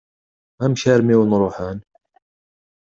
Amek armi i wen-ṛuḥen?